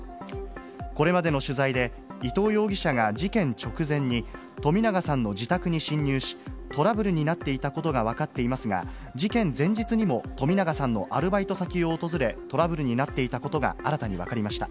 これまでの取材で、伊藤容疑者が事件直前に、冨永さんの自宅に侵入し、トラブルになっていたことが分かっていますが、事件前日にも冨永さんのアルバイト先を訪れ、トラブルになっていたことが、新たに分かりました。